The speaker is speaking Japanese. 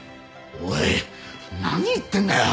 おい何言ってんだよ！